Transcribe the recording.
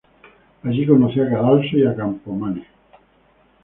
Allí conoció a Cadalso y a Campomanes.